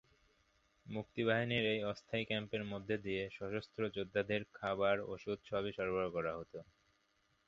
মুক্তিবাহিনীর এই অস্থায়ী ক্যাম্পের মধ্য দিয়ে সশস্ত্র যোদ্ধাদের কাবার, ওষুধ সবই সরবরাহ করা হতো।